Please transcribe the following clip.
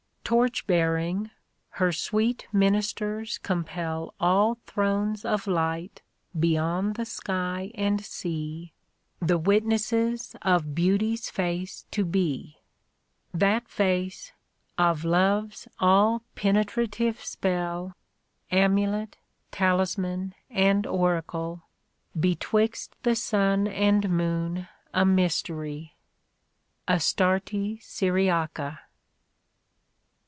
Torch bearing, her sweet ministers compel All thrones of light beyond the sky and sea A DAY WITH ROSSETTl. The witnesses of Beauty's face to be : That face, of Love's all penetrative spell Amulet, talisman, and oracle, — Betwixt the sun and moon a mystery. (Astarte Syriaca.)